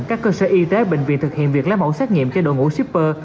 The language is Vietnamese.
cơ sở y tế bệnh viện thực hiện việc lái mẫu xét nghiệm cho đội ngũ shipper